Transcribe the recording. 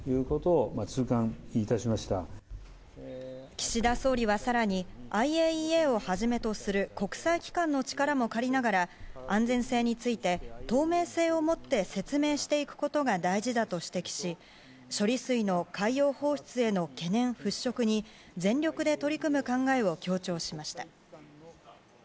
岸田総理は更にＩＡＥＡをはじめとする国際機関の力も借りながら安全性について、透明性を持って説明していくことが大事だと指摘し処理水の海洋放出への懸念払拭に全力で取り組む考えを強調しました。